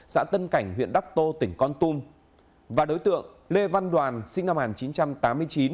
xã tân cảnh huyện đắc tô tỉnh con tum và đối tượng lê văn đoàn sinh năm một nghìn chín trăm tám mươi chín